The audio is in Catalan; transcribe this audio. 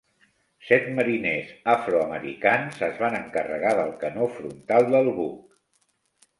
Set mariners afroamericans es van encarregar del canó frontal del buc.